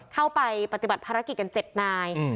เข้าไปปฏิบัติภารกิจกัน๗นาย